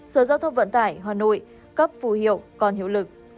sở giao thông vận tải hà nội cấp phù hiệu còn hiệu lực